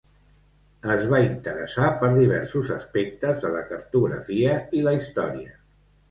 Es va interessar per diversos aspectes de la cartografia i la història.